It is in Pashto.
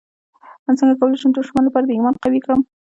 څنګه کولی شم د ماشومانو لپاره د ایمان قوي کړم